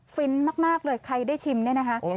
ฟินมากเลยใครได้ชิมน้ำจิ้มที่ด้วย